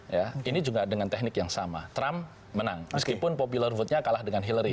ya ini juga dengan teknik yang sama trump menang meskipun popular vote nya kalah dengan hillary